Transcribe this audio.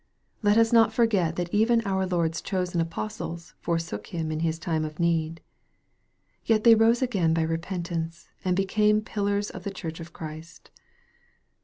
Let us not forget that even our Lord's chosen apostles forsook Him in His time of need. Yet they rose again by repentance, and became pillars of the Church of Christ.